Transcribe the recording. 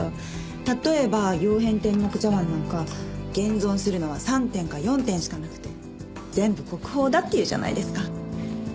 例えば曜変天目茶碗なんか現存するのは３点か４点しかなくて全部国宝だっていうじゃないですか。